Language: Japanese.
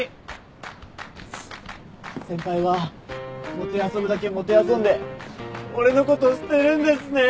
先輩はもてあそぶだけもてあそんで俺のことを捨てるんですね。